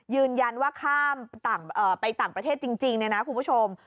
ยืนยันว่าพังไปต่างประเทศจริงนะครับคุณผู้ชม